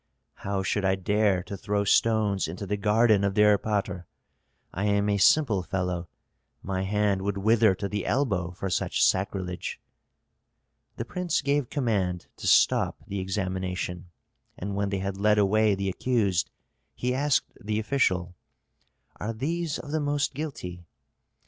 "How should I dare to throw stones into the garden of the erpatr? I am a simple fellow, my hand would wither to the elbow for such sacrilege." The prince gave command to stop the examination, and when they had led away the accused, he asked the official, "Are these of the most guilty?"